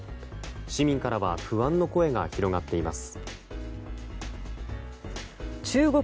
市民からは不安の声が広がっています。